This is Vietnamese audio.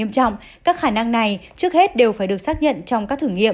các khả năng này trước hết đều phải được xác nhận trong các thử nghiệm